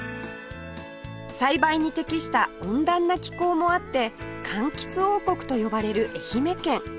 栽培に適した温暖な気候もあって柑橘王国と呼ばれる愛媛県